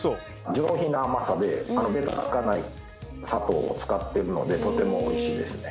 上品な甘さでべたつかない砂糖を使ってるのでとても美味しいですね。